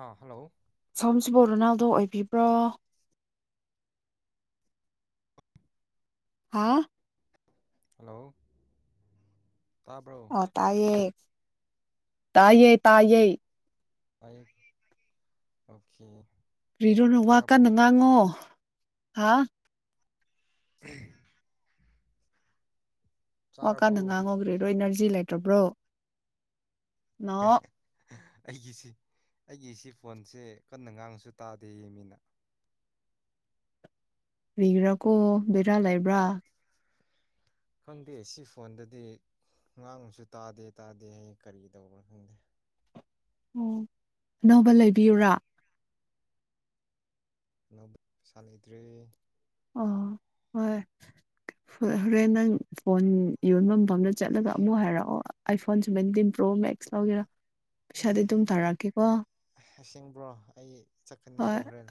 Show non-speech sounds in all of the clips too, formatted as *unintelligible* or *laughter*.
ꯑꯥ hello ꯁꯣꯝꯁꯤꯕꯨ Ronaldo ꯑꯣꯏꯕꯤꯕ꯭ꯔꯣ ꯍꯥ ꯍꯜꯂꯣ ꯇꯥꯕ꯭ꯔꯣ ꯑꯣ ꯇꯥꯏꯌꯦ ꯇꯥꯏꯌꯦ ꯇꯥꯏꯌꯦ ꯄꯥꯌꯨ ꯑꯣꯀꯦ ꯀꯤꯔꯨꯅꯨ ꯋꯥ ꯆꯥꯔꯕꯣ ꯀꯟꯅ ꯉꯥꯡꯉꯣ ꯍꯥ *unintelligible* ꯆꯥꯔꯕꯣ ꯋꯥꯀꯟꯅ ꯉꯥꯡꯉꯣ ꯏꯅꯔꯖꯤ ꯂꯩꯇ꯭ꯔꯕ꯭ꯔꯣ ꯅꯣ ꯑꯩꯒꯤꯁꯤ ꯑꯩꯒꯤꯁꯤ ꯐꯣꯟꯁꯦ ꯀꯟꯅ ꯉꯥꯡꯉꯁꯨ ꯇꯥꯗꯦ ꯌꯦ ꯃꯤꯅ ꯀ꯭ꯔꯤꯒꯤꯔ ꯀꯣ ꯕꯦꯔꯥ ꯂꯩꯕ꯭ꯔꯥ ꯈꯪꯗꯦ ꯁꯤ ꯐꯣꯟꯗꯗꯤ ꯉꯥꯡꯉꯁꯨ ꯇꯥꯗꯦ ꯇꯥꯗꯦ ꯍꯥꯌꯦ ꯀꯔꯤ ꯇꯧꯕ꯭ꯔꯥ ꯈꯪꯗꯦ ꯑꯣ ꯑꯅꯧꯕ ꯂꯩꯕꯤꯌꯨꯔꯥ ꯑꯅꯧꯕ ꯄꯩꯁꯥ ꯂꯩꯇ꯭ꯔꯦ ꯑꯣ ꯍꯣꯏ ꯍꯣꯔꯦꯟ ꯅꯪ ꯐꯣꯟ ꯌꯣꯟꯕ ꯃꯐꯝꯗ ꯆꯠꯂꯒ ꯑꯃꯨꯛ ꯍꯥꯏꯔꯛꯑꯣ iPhone seventeen pro max ꯂꯧꯒꯦꯔꯥ ꯄꯩꯁꯥꯗꯤ ꯑꯗꯨꯝ ꯇꯥꯔꯛꯀꯦ ꯀꯣ ꯑꯁꯦꯡꯕ꯭ꯔꯣ ꯑꯩ ꯍꯣꯏ ꯆꯠꯀꯅꯤꯀꯣ ꯍꯣꯔꯦꯟ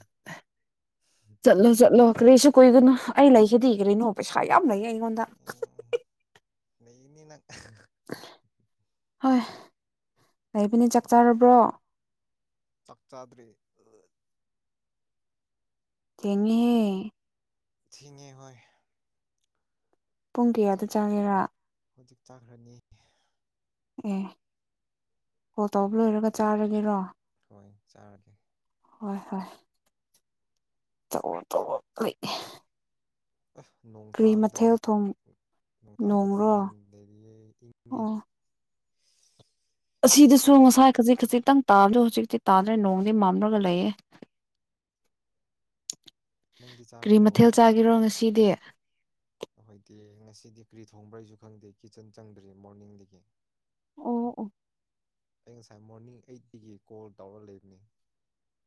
ꯆꯠꯂꯣ ꯆꯠꯂꯣ ꯀꯔꯤꯁꯨ ꯀꯨꯏꯒꯅꯨ ꯑꯩ ꯂꯩꯁꯤꯗꯤ ꯀꯔꯤꯅꯣ ꯄꯩꯁꯥ ꯌꯥꯝ ꯂꯩꯩꯌ‌ꯦ ꯑꯩ ꯎꯝ ꯂꯩꯅꯤꯅꯪ ꯍꯣꯏ ꯂꯩꯕꯅꯦ ꯆꯥꯛ ꯆꯥꯔꯕ꯭ꯔꯣ ꯆꯥꯛ ꯆꯥꯗ꯭ꯔꯤ ꯊ‌ꯦꯡꯉ‌ꯦꯍ‌ꯦ ꯊꯦꯡꯉꯦ ꯍꯣꯏ ꯄꯨꯡ ꯀꯌꯥꯗ ꯆꯒ‌ꯦꯔꯥ ꯍꯨꯖꯤꯛ ꯆꯥꯈ꯭ꯔꯅꯤ ꯑꯦ ꯀꯣꯜ ꯇꯧꯕ ꯂꯣꯏꯔꯒ ꯆꯥꯔꯒꯦꯔꯣ ꯍꯣꯏ ꯆꯥꯔꯒꯦ ꯍꯣꯏ ꯍꯣꯏ ꯇꯧ ꯇꯧꯔ‌ꯣ ꯎꯏ ꯑ ꯅꯣꯡ ꯇꯥꯒ ꯃꯊꯦꯜ ꯇꯧꯋ‌ꯦ ꯊꯣꯡ ꯅꯣꯡ ꯇꯥꯒꯦ ꯇꯧꯕ ꯅꯣꯡꯔꯣ ꯍꯦꯟꯗꯗꯤ ꯏꯪꯉꯦ ꯑꯣ ꯑꯁꯤꯗꯁꯨ ꯉꯁꯥꯏ ꯈꯖꯤꯛ ꯈꯖꯤꯛꯇꯪ ꯇꯥꯕꯗꯣ ꯍꯧꯖꯤꯛꯇꯤ ꯇꯥꯗ꯭ꯔꯦ ꯎꯝ ꯅꯣꯡꯃꯗꯤ ꯃꯝꯂꯒ ꯂꯩꯌꯦ ꯅꯪꯗꯤ ꯀꯔꯤ ꯆꯥꯔꯕꯣ ꯃꯊꯦꯜ ꯆꯥꯒꯤꯔꯣ ꯉꯁꯤꯗꯤ ꯑꯩꯈꯣꯏꯗꯤ ꯉꯁꯤꯗꯤ ꯀꯔꯤ ꯊꯣꯡꯕ꯭ꯔꯥ ꯑꯩꯁꯨ ꯈꯪꯗꯦ ꯀꯤꯠꯆꯟ ꯆꯪꯗ꯭ꯔꯤ ꯃꯣꯔꯅꯤꯡꯗꯒꯤ ꯑꯣ ꯑꯣ ꯑꯩ ꯉꯁꯥꯏ ꯃꯣꯔꯅꯤꯡ ꯑꯩꯠꯇꯗꯒꯤ ꯀꯣꯜ ꯇꯧꯔ ꯂꯩꯕꯅꯤ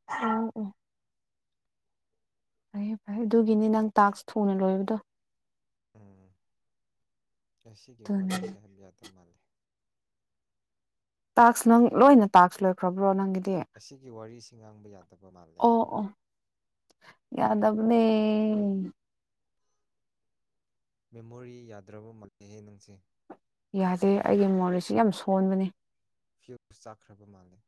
ꯎꯝ ꯎꯝ ꯐꯔꯦ ꯐꯔꯦ ꯑꯗꯨꯒꯤꯅꯤ ꯅꯪ ꯇꯥꯛꯁ ꯊꯨꯅ ꯂꯣꯏꯕꯗꯣ ꯎꯝ ꯑꯁꯤꯒꯤ ꯑꯗꯨꯅꯦ ꯋꯥꯔꯤꯁꯦ ꯍꯥꯏꯕ ꯌꯥꯗ ꯃꯥꯜꯂꯤ ꯇꯥꯛꯁ ꯅꯪ ꯂꯣꯏꯅ ꯇꯥꯛꯁ ꯂꯣꯏꯈ꯭ꯔꯕ꯭ꯔꯣ ꯅꯪꯒꯤ ꯑꯁꯤꯒꯤ ꯋꯥꯔꯤꯁꯤ ꯉꯥꯡꯕ ꯌꯥꯗꯕ ꯃꯥꯜꯂꯦꯕ ꯑꯣ ꯑꯣ ꯌꯥꯗꯕꯅꯦ ꯃꯦꯃꯣꯔꯤ ꯌꯥꯗ꯭ꯔꯕ ꯃꯥꯜꯂꯦꯍꯦ ꯅꯪꯁꯦ ꯌꯥꯗꯦ ꯑꯩꯒꯤ ꯃꯣꯔꯦꯁꯤ ꯌꯥꯝ ꯁꯣꯟꯕꯅꯤ ꯐ꯭ꯌꯨꯁ ꯆꯥꯛꯈ꯭ꯔꯕ ꯃꯥꯜꯂꯦ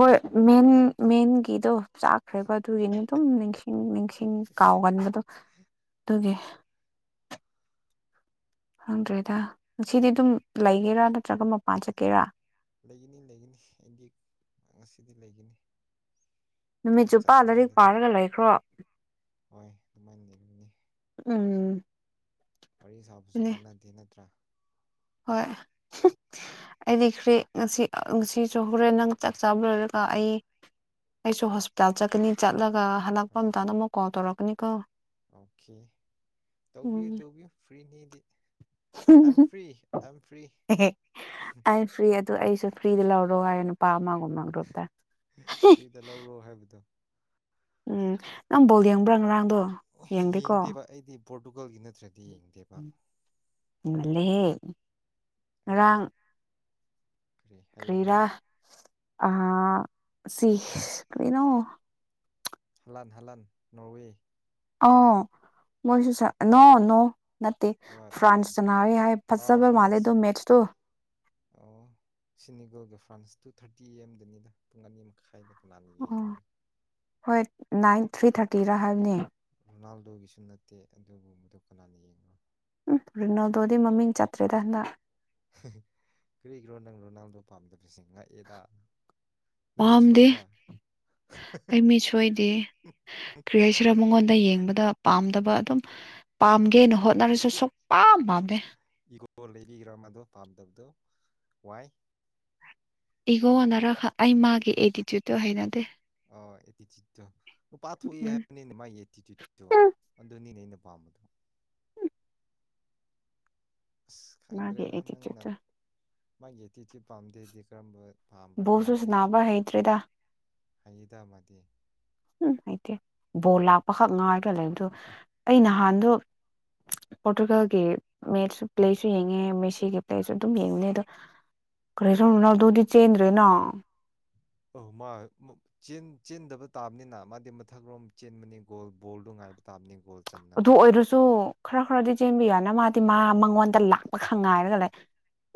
ꯍꯣꯏ ꯃꯦꯟ ꯃꯦꯟꯒꯤꯗꯣ ꯆꯥꯛꯈ꯭ꯔꯦꯀꯣ ꯑꯗꯨꯒꯤꯅꯦ ꯑꯗꯨꯝ ꯅꯤꯡ ꯏꯁꯤꯡ ꯅꯤꯡꯁꯤꯡ ꯀꯥꯎꯒꯟꯕꯗꯨ ꯑꯗꯨꯒꯤ ꯍꯪꯗ꯭ꯔꯦꯗ ꯉꯁꯤꯗꯤ ꯑꯗꯨꯝ ꯂꯩꯒꯦꯔꯥ ꯅꯠꯇ꯭ꯔꯒ ꯃꯄꯥꯟ ꯆꯠꯀꯦꯔꯥ ꯂꯩꯒꯅꯤ ꯂꯩꯒꯅꯤ ꯑꯩꯗꯤ ꯉꯁꯤꯗꯤ ꯂꯩꯒꯅꯤ ꯅꯨꯃꯤꯠ ꯊꯕꯛ ꯆꯨꯞꯄ ꯂꯥꯏꯔꯤꯛ ꯆꯠꯅꯤꯡꯉꯥꯏꯗꯨꯗꯤ ꯄꯥꯔꯒ ꯂꯩꯈ꯭ꯔꯣ ꯍꯣꯏ ꯑꯗꯨꯃꯥꯏꯅ ꯂꯩꯅꯤ ꯎꯝ ꯋꯥꯔꯤ ꯁꯥꯕꯁꯨ ꯑꯗꯨꯅꯦ ꯀꯥꯟꯅꯗꯦ ꯅꯠꯇ꯭ꯔꯥ ꯍꯣꯏ ꯑꯩꯗꯤ ꯈ꯭ꯔꯤ ꯉꯁꯤ ꯁꯤꯁꯨ ꯍꯣꯔꯦꯟ ꯅꯪ ꯆꯥꯛ ꯆꯥꯕ ꯂꯣꯏꯔꯒ ꯑꯩ ꯑꯩꯁꯨ ꯍꯣꯁꯄꯤꯇꯥꯜ ꯆꯠꯀꯅꯤ ꯆꯠꯂꯒ ꯍꯜꯂꯛꯄ ꯑꯥ ꯑꯃꯇꯥꯗ ꯑꯃꯨꯛ ꯀꯣꯜ ꯇꯧꯔꯛꯀꯅꯤ ꯀꯣ ꯑꯣꯀꯦ ꯇꯧꯕꯤꯌꯨ ꯇꯧꯕꯤꯌꯨ ꯐ꯭ꯔꯤꯅꯤꯗꯤ ꯑꯝ ꯐ꯭ꯔꯤ ꯑꯝ ꯐꯔꯤ ꯑꯩ ꯐ꯭ꯔꯤ ꯑꯗꯨ ꯑꯩꯁꯨ ꯐ꯭ꯔꯤꯗ ꯂꯧꯔꯣ ꯍꯥꯏꯔꯦ ꯅꯨꯄꯥ ꯑꯃꯒꯨꯝꯕ ꯒ꯭ꯔꯨꯞꯇ ꯐ꯭ꯔꯤꯗ ꯂꯧꯔꯣ ꯍꯥꯏꯕꯗꯣ ꯎꯝ ꯅꯪ ꯕꯣꯜ ꯌꯦꯡꯕ꯭ꯔꯥ ꯉꯔꯥꯡꯗꯣ ꯑꯣ ꯌꯦꯡꯗꯦꯀꯣ ꯌꯦꯡꯗꯦꯕ ꯑꯩꯗꯤ ꯄꯣꯔꯇꯨꯒꯜꯒꯤ ꯅꯠꯇ꯭ꯔꯗꯤ ꯌꯦꯡꯗꯦꯕ ꯃ ꯂꯩꯦ ꯍꯥꯏꯗꯤ ꯀ꯭ꯔꯤꯔꯥ ꯑ ꯁꯤ ꯀ꯭ꯔꯤꯅꯣ ꯍꯂꯥꯟ ꯍꯂꯥꯟ ꯅꯣꯔꯋꯦ ꯑ ꯃꯣꯏꯁꯨ ꯆ ꯅ ꯅ ꯅꯠꯇꯦ ꯋꯥꯠ ꯇꯦꯟ ꯐ꯭ꯔꯥꯟꯁꯇ ꯅꯥꯔꯦ ꯍꯥꯏ ꯑꯥ ꯐꯖꯕ ꯃꯥꯜꯂꯦ ꯐ꯭ꯔꯥꯟꯁ ꯑꯗꯣ ꯃꯦꯠꯁꯇꯣ ꯑꯣ ꯁꯤꯅꯤꯒꯨꯜꯒ ꯐ꯭ꯔꯥꯟꯁ ꯇꯨ ꯊꯥꯔꯇꯤ ꯑꯦꯝꯗꯅꯤꯗ ꯄꯨꯡ ꯑꯅꯤ ꯃꯈꯥꯏꯗꯒ ꯑꯣ ꯍꯣꯏ ꯅꯥꯏꯟ ꯊ꯭ꯔꯤ ꯊꯥꯔꯇꯤꯔ ꯍꯥꯏꯕꯅꯦ ꯔꯣꯅꯥꯜꯗꯣꯒꯤꯁꯨ ꯅꯠꯇꯦ ꯑꯗꯨꯕꯨ ꯃꯗꯨ ꯀꯅꯥꯅ ꯌꯦꯡꯉꯣ ꯎꯝ ꯔꯤꯅꯣꯜꯗꯣꯗꯤ ꯃꯃꯤꯡ ꯆꯠꯇ꯭ꯔꯦꯗ ꯍꯟꯗꯛ ꯀꯔꯤꯒꯤꯔꯣ ꯅꯪꯅꯣ ꯅꯪꯗꯣ ꯄꯥꯝꯗꯕꯁꯦ ꯉꯛꯑꯦꯗ ꯅ ꯃꯤꯠ ꯄꯥꯝꯗꯦ ꯁꯣꯏꯕ꯭ꯔꯥ ꯑꯩ ꯃꯤꯠ ꯁꯣꯏꯗꯦ ꯀ꯭ꯔꯤ ꯍꯥꯏꯩꯁꯤꯔ ꯃꯉꯣꯟꯗ ꯌꯦꯡꯕꯗ ꯄꯥꯝꯗꯕ ꯑꯗꯨꯝ ꯄꯥꯝꯒꯦꯅ ꯍꯣꯠꯅꯔꯁꯨ ꯁꯨꯡꯛ ꯄꯥꯝ ꯄꯥꯝꯗꯦ ꯏꯒꯣ ꯂꯩꯕꯤꯈ꯭ꯔꯥ ꯃꯗꯨ ꯄꯥꯝꯗꯕꯗꯨꯣ ꯋꯥꯏ ꯏꯒꯣꯟꯅꯔ ꯑꯩ ꯃꯥꯒꯤ ꯑꯦꯇꯤꯇ꯭ꯌꯨꯗꯠꯇꯣ ꯍꯩꯅꯗꯦ ꯑꯣ ꯑꯦꯇꯤꯇꯨꯠꯇꯣ ꯄꯥꯊꯣꯛ ꯎꯝ ꯍꯥꯏꯅꯤꯅꯦ ꯃꯥꯒꯤ ꯑꯦꯇꯤꯇꯨꯠꯇꯣ ꯑꯣ ꯑꯗꯨ ꯅꯤꯅꯦ ꯑꯩꯅ ꯄꯥꯝꯝꯕꯗꯨ ꯑꯁ ꯃꯥꯒꯤ ꯈꯪꯗ꯭ꯔꯦꯗ ꯅꯪꯅ ꯑꯦꯇꯤꯇ꯭ꯌꯨꯠꯇꯣ ꯃꯥꯒꯤ ꯑꯦꯇꯤꯇ꯭ꯌꯨꯠ ꯄꯥꯝꯗꯦꯗꯤ ꯀꯔꯝꯕ ꯄꯥꯝꯕ꯭ꯔꯥ ꯈꯪꯗ꯭ꯔꯦ ꯍꯩꯗ꯭ꯔꯤꯗ ꯍꯩꯌꯦꯗ ꯑꯃꯗꯤ ꯎꯝ ꯍꯩꯇꯦ ꯕꯣꯜ ꯂꯥꯛꯄꯈꯛ ꯉꯥꯏꯕ ꯂꯩꯕꯗ ꯑꯩ ꯅꯍꯥꯟꯗꯣ ꯄꯣꯔꯇꯨꯒꯥꯜꯒꯤ ꯃꯦꯠ ꯄ꯭ꯂꯦꯁꯨ ꯌꯦꯡꯉꯦ ꯃꯦꯁꯤꯒꯤ ꯄ꯭ꯂꯦꯁꯨ ꯑꯗꯨꯝ ꯌꯦꯡꯅꯤ ꯑꯗꯣ ꯀꯔꯤ ꯁꯧꯝ ꯅꯎ ꯑꯗꯨꯗꯤ ꯆꯦꯟꯗ꯭ꯔꯦꯅꯣ ꯑ ꯃꯥ ꯆꯦꯟꯗꯕ ꯇꯥꯕꯅꯤꯅ ꯃꯥꯗꯤ ꯃꯊꯛꯔꯣꯝ ꯆꯦꯟꯕꯅꯤ ꯒꯣꯜ ꯕꯣꯜꯗꯣ ꯉꯥꯏꯕ ꯇꯥꯕꯅꯤ ꯒꯣꯜ ꯑꯗꯨ ꯆꯟꯅꯕ ꯑꯣꯏꯔꯁꯨ ꯁꯨ ꯈꯔ ꯈꯔꯗꯤ ꯆꯦꯟꯕꯤꯌꯣꯅ ꯃꯥꯗꯤ ꯃꯥ ꯃꯉꯣꯟꯗ ꯂꯥꯛꯄ ꯈꯪꯉ ꯍꯥꯏꯔꯒ ꯂꯩ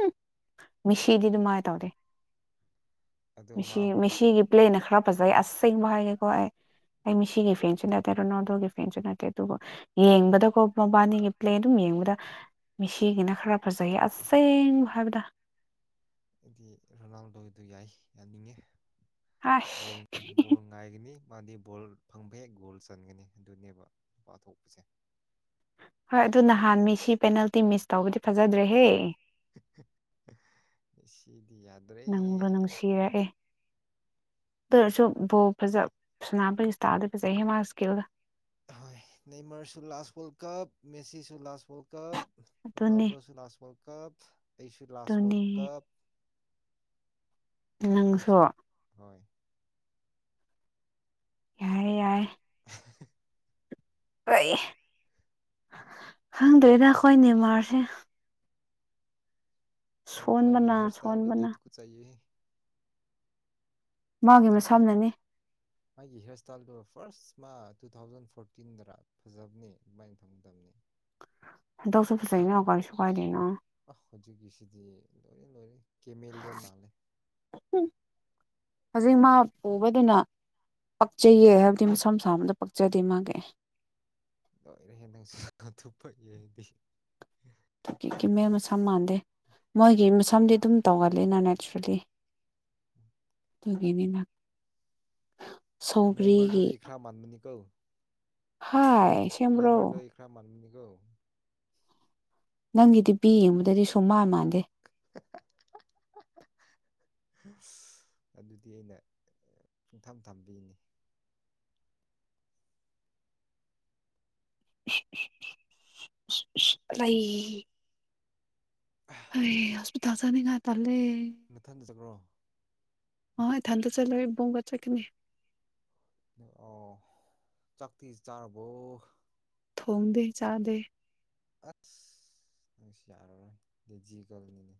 ꯎꯝ ꯃꯦꯁꯤꯗꯤ ꯑꯗꯨꯃꯥꯏꯅ ꯇꯧꯗꯦꯁꯤ ꯑꯗꯣ ꯃꯥꯕꯨ ꯃꯦꯁꯤꯒꯤ ꯄ꯭ꯂꯦꯅ ꯈꯔ ꯐꯖꯩ ꯑꯁꯁꯦꯡꯕ ꯍꯥꯏꯒꯦꯀꯣ ꯑꯩ ꯑꯩ ꯃꯤꯁꯤꯒꯤ ꯐ꯭ꯔꯦꯟꯁꯨ ꯅꯠꯇꯦ ꯔꯣꯅꯥꯜꯗꯣꯒꯤ ꯐꯦꯟꯁꯨ ꯅꯠꯇꯦ ꯑꯗꯨꯒ ꯌꯦꯡꯕꯗꯀꯣ ꯃꯕꯥꯅꯤꯒꯤ ꯄ꯭ꯂꯦ ꯑꯗꯨꯝ ꯌꯦꯡꯕꯗ ꯃꯤꯁꯤꯒꯤꯅ ꯈꯔ ꯐꯖꯩꯌꯦ ꯑꯁꯦꯡꯕ ꯍꯥꯏꯕꯗ ꯑꯩꯗꯤ ꯔꯣꯅꯥꯜꯗꯣꯗꯨ ꯌꯥꯏ ꯌꯥꯅꯤꯡꯉꯦ ꯑꯁ ꯕꯣꯕꯣꯜ ꯉꯥꯏꯒꯅꯤ ꯃꯥꯗꯤ ꯕꯣꯜ ꯐꯪꯕꯩꯦꯛ ꯒꯣꯜ ꯆꯟꯒꯅꯤ ꯑꯗꯨꯅꯦꯕ ꯅꯨꯄꯥ ꯊꯣꯛꯄꯁꯦ ꯍꯣꯏ ꯑꯗꯨ ꯅꯍꯥꯟ ꯃꯤ ꯁꯤ ꯄꯦꯅꯥꯜꯇꯤ ꯃꯤꯁ ꯇꯧꯕꯗꯤ ꯐꯖꯗ꯭ꯔꯦꯍꯦ ꯁꯤꯗꯤꯗ꯭ꯔꯦ ꯑꯗꯨꯁꯨ ꯕꯣ ꯐꯖ ꯁꯅꯕ ꯏꯁꯇꯥꯥꯏꯜꯗꯤ ꯐꯖꯩ ꯍꯦꯃꯥꯥꯁꯀꯦꯜꯗ ꯍꯣꯏ ꯅꯃꯔꯁꯨ ꯂꯥꯁ ꯋꯥꯔꯜ ꯀꯞ ꯃꯦꯁꯤꯁꯨ ꯂꯥꯁ ꯋꯥꯔꯜ ꯀꯞ ꯑꯗꯨꯅꯤ ꯔꯣꯅꯥꯜꯗꯣꯁꯨ ꯂꯥꯁ ꯋꯥꯔꯜꯗ ꯀꯞ ꯑꯩꯁꯨ ꯂꯥꯁ ꯑꯗꯨꯅꯤ ꯋꯥꯔꯜꯗ ꯀꯞ ꯅꯪꯁꯨ ꯑꯩꯁꯨꯅꯤ ꯍꯣꯏ ꯌꯥꯏꯌꯦ ꯌꯥꯏꯌꯦ *inaudible* ꯑꯩ ꯈꯪꯗꯦꯗꯥ ꯑꯩꯈꯣꯏꯒꯤ ꯅꯦꯃꯥꯔꯁꯦ ꯃꯥꯒꯤ ꯁꯣꯟꯕꯅ ꯁꯣꯟꯕꯅ ꯍꯔꯁꯇꯥꯥꯏꯜꯗꯤꯗꯨꯀ ꯆꯥꯏꯌꯦ ꯃꯥꯒꯤ ꯃꯁꯝꯅꯅꯤ ꯃꯥꯒꯤ ꯍꯤꯌꯥꯔ ꯏꯁꯇꯥꯏꯜꯗꯣ ꯐꯥꯔꯁ ꯃꯥ ꯇꯨ ꯊꯥꯎꯖꯟ ꯐꯣꯔꯇꯤꯟꯗ ꯐꯖꯕꯅꯤ ꯑꯗꯨꯃꯥꯏꯅ ꯊꯝꯒꯗꯕꯅꯤ ꯗꯧꯁꯨ ꯐꯁꯨ ꯍꯥꯖꯩꯅꯣ ꯑꯒꯒꯥꯔꯤꯁꯨꯨꯒꯥꯏꯗꯅꯣ ꯑ ꯍꯧꯖꯤꯛꯀꯤꯁꯤꯗꯤ ꯂꯣꯏꯔ ꯂꯣꯏꯔꯦ ꯀꯦꯃꯦꯂꯤ ꯌꯣꯟ ꯃꯥꯜꯂꯦ ꯍꯧꯖꯤꯛ ꯃꯥ ꯄꯨꯕꯗꯨꯅ ꯄꯛꯆꯩꯌꯦ ꯍꯥꯏꯕꯗꯤ ꯃꯁꯥ ꯃꯁꯥ ꯑꯗ ꯄꯛꯆꯗꯦ ꯃꯥꯒꯤ ꯂꯣꯏꯔꯦ ꯍꯦ ꯅꯪꯁꯨ ꯊꯨꯞꯄꯒꯤꯗꯤ ꯀꯤ ꯃꯦꯜ ꯃꯁꯝ ꯃꯥꯟꯗꯦ ꯃꯣꯏꯒꯤ ꯃꯁꯝꯗꯤ ꯑꯗꯨꯝ ꯇꯧꯒꯜꯂꯤꯅ ꯅꯦꯆꯔꯦꯜꯂꯤ ꯎꯝ ꯑꯗꯨꯒꯅꯤꯅ ꯅ ꯃꯔꯔꯗꯣ ꯑꯩ ꯈꯔ ꯃꯥꯟꯕꯃꯅꯤ ꯀꯧ ꯑꯗꯨꯗꯤ ꯍꯥꯏ ꯅ ꯁꯦꯝꯕ꯭ꯔꯣ ꯃꯔꯗꯣ ꯑꯩ ꯈ꯭ꯔꯥ ꯃꯟꯕꯅꯤꯀꯣ ꯅꯪꯒꯤꯗꯤ ꯄꯤ ꯌꯦꯡꯕꯗꯗꯤ ꯁꯨꯝ ꯃꯥꯟ ꯃꯥꯟꯗꯦ ꯑꯗꯨꯗꯤ ꯑꯩꯅ ꯄꯪꯊꯝ ꯊꯝꯕꯤꯅꯤ ꯂꯩ ꯑꯔꯦ ꯍꯁꯄꯤ ꯇꯜꯁꯅꯤ ꯉ ꯇꯂꯦ ꯅꯊꯟꯗ ꯆꯠꯈ꯭ꯔꯣ ꯍꯣꯏ ꯊꯥꯟꯗ ꯆꯠꯂꯣꯣꯏ ꯣꯡꯒ ꯆꯅꯤ ꯑꯣ ꯆꯥꯛ ꯆꯥꯔꯕꯣ ꯊꯣꯡꯗꯦ ꯆꯥꯗꯦ ꯑꯁ ꯅꯪꯁꯨ ꯌꯥꯔꯔꯣꯏ ꯗꯗꯤ ꯖꯤꯒꯜꯅꯤꯅꯦ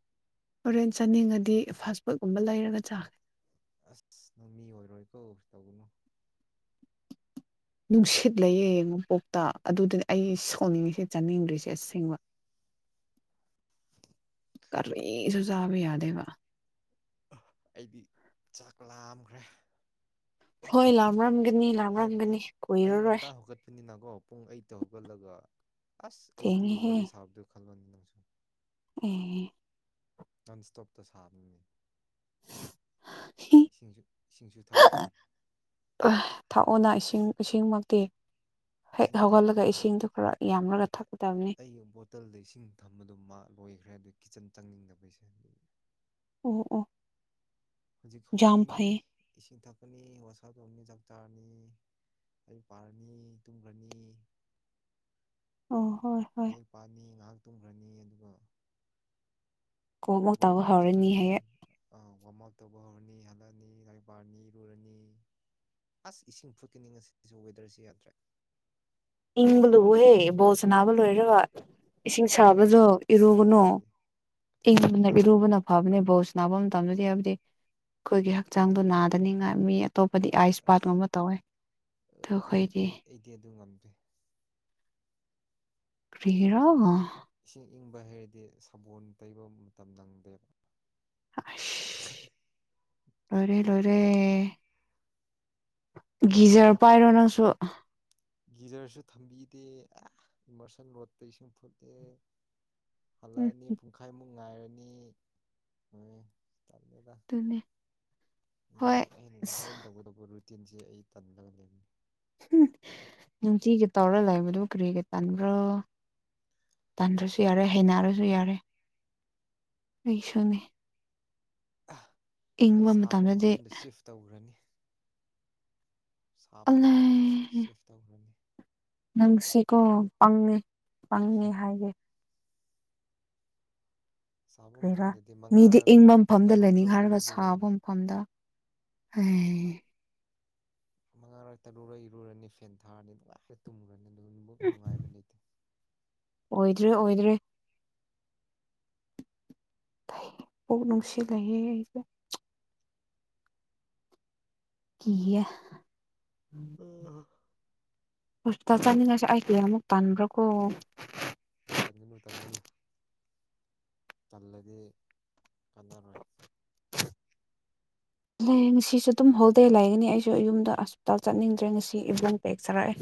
ꯍꯣꯔꯦꯟ ꯆꯥꯅꯤꯡꯉꯗꯤ ꯐꯥꯁ ꯐꯨꯗꯀꯨꯝꯕ ꯂꯩꯔꯒ ꯆꯥꯈ꯭ꯔꯦ ꯑꯁ ꯅꯃꯤ ꯑꯣꯏꯔꯣꯏ ꯀꯣ ꯇꯧꯕꯅꯨ꯫ ꯅꯨꯡꯁꯤꯠ ꯂꯩꯌꯦ ꯌꯦꯡꯉꯨꯄꯣꯛꯇ ꯑꯗꯨꯗꯗꯤ ꯑꯩ ꯁꯣꯛꯅꯤꯡꯉꯤꯁꯦ ꯆꯥꯅꯤꯡꯗ꯭ꯔꯤꯁꯦ ꯑꯁꯦꯡꯕ ꯀꯔꯤꯁꯨꯖꯥꯕ ꯌꯥꯗꯦꯕ ꯑꯩꯗꯤ ꯆꯥꯛ ꯂꯥꯝꯈ꯭ꯔꯦ ꯍꯣꯏꯂ ꯃꯝꯒꯅꯤ ꯍꯥꯏꯕꯗꯤ ꯑꯌꯨꯛ ꯉꯟꯇꯥ ꯍꯧꯒꯠꯄꯅꯤꯅꯀꯣ ꯄꯨꯡ ꯑꯌꯠꯇ ꯍꯧꯒꯠꯂꯒ ꯑꯁ ꯑꯩꯇꯒꯤ ꯊꯦꯡꯉꯦꯍꯦ ꯋꯥꯔꯤ ꯁꯥꯕꯗꯣ ꯈꯜꯂꯣꯅꯤ ꯅꯪꯁꯨ ꯑꯣ ꯅꯟ ꯏꯁꯇꯣꯞꯇ ꯁꯥꯕꯅꯤꯅꯤ ꯏꯁꯤꯡꯁꯨ ꯏꯁꯤꯡꯁꯨ ꯊꯛꯇ꯭ꯔꯤ ꯊꯥꯛꯑꯣꯅ ꯏꯁꯤꯡ ꯏꯁꯤꯡꯃꯛꯇꯤ ꯍꯦꯛ ꯏꯁꯤꯡ ꯍꯧꯒꯠꯂꯒ ꯊꯛꯈ꯭ꯔꯤ ꯏꯁꯤꯡꯗꯣ ꯈꯔ ꯑꯃꯒ ꯊ ꯊꯣꯛꯗꯕ ꯑꯩ ꯕꯣꯇꯜꯗ ꯏꯁꯤꯡ ꯊꯝꯕꯗꯣ ꯃꯥ ꯂꯣꯏꯈ꯭ꯔꯦ ꯑꯗꯨ ꯀꯤꯠꯆꯟ ꯆꯪꯅꯤꯡꯗꯕꯩꯁꯦ ꯑꯗꯨ ꯑꯣ ꯑꯣ ꯍꯧꯖꯤꯛ ꯍꯧꯒ ꯌꯥꯝ ꯀꯅꯤ ꯐꯩꯌꯦ ꯏꯁꯤꯡ ꯊꯛꯀꯅꯤ ꯋꯥꯁꯥꯞ ꯇꯧꯅꯤ ꯆꯥꯛꯇꯥꯥꯔꯅꯤ ꯑꯩ ꯄꯥꯔꯅꯤ ꯇꯨꯝꯈ꯭ꯔꯅꯤ ꯑ ꯍꯣꯏ ꯍꯣꯏ ꯂ ꯄꯥꯅꯤ ꯉꯥꯏꯍꯥꯛ ꯇꯨꯝꯈ꯭ꯔꯅꯤ ꯑꯗꯨꯒ ꯀꯣꯃꯨꯛ ꯣꯜ ꯇꯧꯕ ꯀꯥꯎꯕ ꯍꯧꯔꯅꯤ ꯆꯈ꯭ꯔꯥꯅꯤ ꯍꯌꯦ ꯑ ꯋꯥꯔꯝ ꯑꯞ ꯇꯧꯕ ꯍꯧꯔꯅꯤ ꯍꯜꯂꯛꯑꯅꯤ ꯂꯥꯏꯔꯤꯛ ꯄꯥꯔꯅꯤ ꯔꯨꯔꯅꯤ ꯑꯁ ꯏꯁꯤꯡ ꯐꯨꯠꯀꯅꯤꯁꯤꯁꯨ ꯋꯦꯗꯔꯁꯤ ꯌꯥꯗ꯭ꯔꯦ ꯏꯪꯕ ꯂꯨꯎꯍꯦ ꯕꯣꯜꯁ ꯅꯥꯕ ꯂꯣꯏꯔꯒ ꯏꯁꯤꯡ ꯑꯣ ꯁꯥꯕꯗ ꯏꯔꯨꯕꯅꯨ ꯀꯗꯥꯏꯗꯒꯤ ꯀꯗꯥꯏꯗꯒꯤ ꯏꯪꯕꯗꯅ ꯏꯪ ꯏꯔꯨꯕꯅ ꯐꯕꯅꯤ ꯕꯣꯁ ꯅꯥꯕ ꯃꯇꯝꯗꯗꯤ ꯍꯥꯏꯕꯗꯤ ꯑꯩꯈꯣꯏꯒꯤ ꯍꯛꯆꯥꯡꯗꯣ ꯅꯥꯗꯅꯤꯉꯥꯏ ꯃꯤ ꯑꯇꯣꯞꯄꯗꯤ ꯑꯥꯏꯁ ꯑꯁ ꯄꯥꯠꯀꯨꯝꯕ ꯇꯧꯋꯦ ꯑꯣ ꯑꯩꯈꯣꯏꯗꯤ ꯏꯪꯉꯦ ꯑꯩꯗꯤ ꯑꯗꯨ ꯉꯝꯗꯦ꯫ ꯀꯔꯤꯒꯔꯣ ꯉ ꯏꯁꯤꯡ ꯏꯪꯕ ꯍꯥꯏꯩꯔꯗꯤ ꯁꯕꯣꯜ ꯇꯩꯕ ꯃꯇꯝ ꯅꯪꯗꯦꯕ ꯂꯔꯦ ꯂꯔꯦ ꯒꯤꯖꯔ ꯄꯥꯏꯔꯣ ꯅꯪꯁꯨ ꯒꯤꯖꯔꯁꯨ ꯊꯝꯕꯤꯗꯦ ꯏꯃꯔꯁꯟ ꯔꯣꯠꯇ ꯏꯁꯤꯡ ꯐꯨꯠꯂꯦ ꯎꯝ ꯍꯜꯂꯛꯑꯅꯤ ꯄꯨꯡꯈꯥꯏꯃꯨꯛ ꯉꯥꯏꯔꯅꯤ ꯍꯣꯏ ꯆꯠꯅꯤꯗ *unintelligible* ꯑꯩꯒꯤ ꯍꯣꯏ ꯑꯩꯅ ꯑꯁ ꯍꯣꯔꯦꯟ ꯇꯧꯒꯗꯧꯕ ꯔꯨꯇꯤꯟꯁꯦ ꯑꯩ ꯇꯜꯂꯒ ꯂꯩꯅꯤ ꯅꯨꯡꯇꯤꯒ ꯇꯧꯔ ꯂꯥꯛꯕꯗꯨ ꯀꯔꯤ ꯀꯩ ꯇꯥꯟꯕ꯭ꯔꯣ ꯇꯟꯗ꯭ꯔꯁꯨ ꯌꯥꯔꯦ ꯍꯩꯅꯔꯁꯨ ꯌꯥꯔꯦ ꯑꯩꯁꯨꯅꯦ ꯑꯩ ꯏꯪꯕ ꯁꯥꯞꯄ ꯃꯇꯝꯗꯗꯤ ꯃꯐꯝꯗ ꯁꯤꯐ ꯇꯧꯈ꯭ꯔꯅꯤ ꯁꯥꯕ ꯃꯐꯝꯗ ꯑꯂꯥꯏ ꯁꯦꯐ ꯇꯧꯈ꯭ꯔꯅꯤ ꯅꯪꯁꯤꯀꯣ ꯄꯪꯉꯦ ꯄꯪꯉꯦ ꯍꯥꯏꯒꯦ ꯁꯥꯕ ꯔ ꯃꯐꯝꯗꯗꯤ ꯃꯤꯗꯤ ꯃꯉꯥꯔꯛ ꯏꯪꯕ ꯃꯐꯝꯗ ꯂꯩꯅꯤꯡ ꯇꯔꯨꯛꯔꯛ ꯍꯥꯏꯔꯒ ꯏꯔꯨꯕ ꯌꯥꯏꯅ ꯁꯥꯒꯨꯝ *unintelligible* ꯃꯉꯥꯔꯣꯏ ꯇꯔꯨꯔꯣꯏ ꯏꯔꯨꯔꯅꯤ ꯐꯦꯟ ꯊꯥꯔꯅꯤ ꯅꯨꯡꯉꯥꯏꯔ ꯇꯨꯝꯃꯨꯔꯅꯤ ꯑꯗꯨ ꯑꯗꯨꯕꯨ ꯅꯨꯡꯉꯥꯏꯕ ꯂꯩꯇꯦ ꯑꯣꯏꯗ꯭ꯔꯦ ꯑꯣꯏꯗ꯭ꯔꯦ ꯅꯨꯡꯁꯤ ꯂꯩꯥꯏꯌꯦ ꯑꯩꯁꯨ *unintelligible* ꯎꯝ *unintelligible* ꯇꯟꯒꯅꯨ ꯇꯟꯒꯅꯨ ꯇꯜꯂꯗꯤ ꯀꯥꯟꯅꯔꯣꯏ ꯂꯩ ꯉꯁꯤꯁꯨ ꯑꯗꯨꯝ ꯍꯣꯜꯗꯦ ꯂꯩꯒꯅꯤ ꯑꯩꯁꯨ ꯌꯨꯝꯗ ꯍꯁꯄꯤꯇꯥꯜ ꯆꯠꯅꯤꯡꯗ꯭ꯔꯦ ꯉꯁꯤ ꯏꯕꯨꯡ ꯄꯦꯛ ꯆꯥꯔꯛꯑꯦ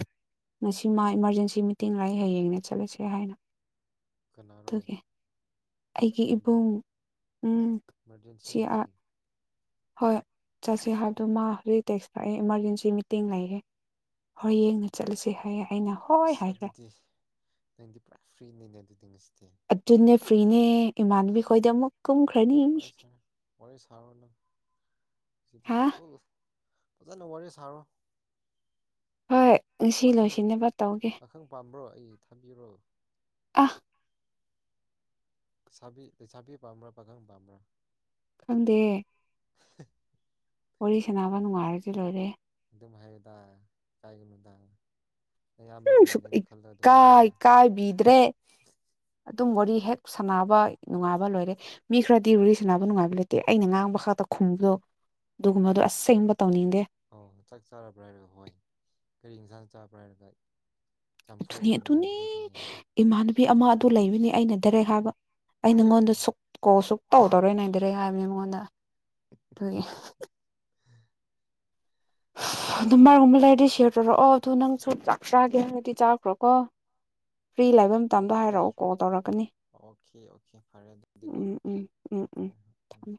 ꯉ ꯃꯥ ꯏꯃꯥꯔꯖꯦꯟꯁꯤ ꯃꯤꯇꯤꯡ ꯂꯥꯛꯑ ꯍꯌꯦꯡꯅꯦ ꯆꯠꯂꯁꯦ ꯍꯥꯏꯅ ꯀꯅꯥꯔꯣ ꯑꯗꯨꯒꯤ ꯑꯩꯒꯤ ꯑꯗꯨꯝ ꯏꯕꯨꯡ ꯎꯝ ꯏꯃꯥꯔꯖꯦꯟꯁꯤ ꯁꯤ ꯃꯤꯇꯤꯡ ꯍꯣꯏ ꯆꯠꯁꯤ ꯍꯥꯏꯕꯗꯣ ꯃꯥ ꯍꯧꯖꯤꯛ ꯇꯦꯛꯁ ꯀꯛꯑꯦ ꯏꯃꯥꯔꯖꯦꯟꯁꯤ ꯃꯤꯇꯤꯡ ꯂꯩꯒꯦ ꯍꯣꯏ ꯌꯦꯡꯅ ꯆꯠꯂꯨꯁꯤ ꯍꯥꯏꯌꯦ ꯑꯩꯅ ꯍꯣꯏ ꯑꯁ ꯍꯥꯏꯈ꯭ꯔꯦ ꯑꯗꯨꯗꯤ ꯅꯪꯗꯤ ꯄꯨꯔꯥ ꯐ꯭ꯔꯤꯅꯦꯅꯦ ꯑꯗꯨꯗꯤ ꯉꯁꯤꯗꯤ ꯑꯗꯨꯅꯦ ꯐ꯭ꯔꯤꯅꯦ ꯏꯃꯥꯟꯕꯤ ꯈꯣꯏꯗ ꯑꯃꯨꯛ ꯀꯨꯝꯈ꯭ꯔꯅꯤ ꯍꯣꯏ ꯁꯥꯔ ꯋꯥꯔꯤ ꯁꯥꯎꯔꯅꯨ ꯁꯤꯖꯦ ꯍꯥ ꯐꯨꯜ ꯐꯖꯟꯅ ꯋꯥꯔꯤ ꯁꯥꯔꯣ ꯍꯣꯏ ꯉꯁꯤ ꯄꯥꯈꯪ ꯂꯣꯏꯁꯤꯟꯅꯕ ꯇꯧꯒꯦ ꯄꯥꯈꯪ ꯄꯥꯝꯕ꯭ꯔꯣ ꯑꯩ ꯊꯥꯕꯤꯔꯣ ꯑꯥ ꯁꯥꯕꯤ ꯂꯩꯁꯥꯕꯤ ꯄꯥꯝꯕ꯭ꯔꯥ ꯄꯥꯈꯪ ꯄꯥꯝꯕ꯭ꯔꯥ ꯈꯪꯗꯦ *unintelligible* ꯋꯥꯔꯤ ꯁꯥꯟꯅꯕ ꯅꯨꯡꯉꯥꯏꯔꯗꯤ ꯂꯣꯏꯔꯦ ꯑꯗꯨ ꯑꯗꯨꯝ ꯍꯥꯏꯗ ꯀꯥꯏꯒꯅꯨꯗ ꯎꯝ ꯁꯨ ꯑꯌꯥꯝꯕꯒꯨꯝꯕꯅꯦꯅ ꯈꯜꯂ ꯑꯗꯨꯝ ꯏꯀꯥꯏ ꯍꯥꯏꯌꯨꯗ ꯏ ꯀꯥꯏ ꯗ꯭ꯔꯦ ꯑꯗꯨꯝ ꯋꯥꯔꯤ ꯍꯦꯛ ꯁꯥꯟꯅꯕ ꯅꯨꯡꯉꯥꯏꯕ ꯂꯣꯏꯔꯦ ꯃꯤ ꯈꯔꯗꯤ ꯔꯨꯔꯤ ꯁꯥꯟꯅꯕ ꯅꯨꯡꯉꯥꯏꯕ ꯂꯩꯇꯦ ꯑꯩꯅ ꯉꯥꯡꯕ ꯈꯛꯇ ꯈꯨꯝꯕꯗꯣ ꯑꯗꯨꯒꯃ ꯑꯗꯨ ꯎꯝ ꯑꯁꯦꯡꯕ ꯇꯧꯅꯤꯦ ꯑꯣ ꯆꯥꯛ ꯆꯥꯔꯕ꯭ꯔꯥ ꯍꯥꯏꯔꯒ ꯍꯣꯏ ꯀꯔꯤ ꯏꯟꯁꯥꯡ ꯆꯥꯕ꯭ꯔꯥ ꯍꯥꯏꯔꯒ ꯆꯝꯐꯨꯠ ꯑꯗꯨꯅꯤ ꯍꯥꯏꯅ ꯑꯗꯨꯅꯤ ꯍꯥꯏꯕꯈꯣꯏꯗꯨꯅꯦꯅ ꯏꯃꯥꯟꯅꯕꯤ ꯑꯃ ꯑꯗꯨ ꯂꯩꯕꯅꯤ ꯑꯩꯅ ꯗꯥꯔꯦꯛ ꯍꯥꯏꯕ ꯑꯩ ꯅꯉꯣꯟꯗ ꯎꯝ ꯀꯣꯜ ꯁꯨꯛꯇꯧ ꯇꯧꯔꯣꯏ ꯅꯪꯗꯔꯦ ꯍꯥꯏꯕꯅꯦ ꯃꯉꯣꯟꯗ ꯑꯗꯨꯅꯤ *unintelligible* ꯑꯗꯨꯝꯃꯔꯒꯨꯝꯕ ꯂꯩꯔꯗꯤ ꯁꯤꯌꯔ ꯇꯧꯔꯛꯑꯣ ꯑꯗꯣ ꯅꯪꯁꯨ ꯆꯥꯛ ꯆꯥꯒꯦ ꯍꯥꯏꯔꯗꯤ ꯅꯪꯗꯤ ꯆꯥꯈ꯭ꯔꯣꯀꯣ ꯐ꯭ꯔꯤ ꯂꯩꯕ ꯃꯇꯝꯗꯣ ꯑꯣꯀꯦ ꯍꯥꯏꯔꯛꯑꯣ ꯀꯣꯜ ꯇꯧꯔꯛꯀꯅꯤ ꯑꯣꯀꯦ ꯑꯣꯀꯦ ꯐꯔꯦ ꯑꯗꯨꯗꯤꯀꯣ ꯎꯝ ꯎꯝ ꯎꯝ ꯎꯝ ꯍꯣꯏ ꯍꯣꯏ ꯎꯝ ꯊꯝꯃꯦ